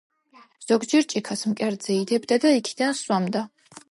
ზოგჯერ ჭიქას მკერდზე იდებდა და იქიდან სვამდა.